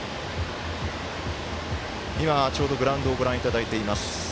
今、ちょうどグラウンドをご覧いただいています。